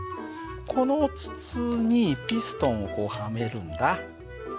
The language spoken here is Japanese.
この筒にピストンをこうはめるんだ。